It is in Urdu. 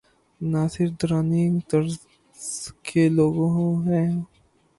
ناصر درانی طرز کے لو گ ہوں۔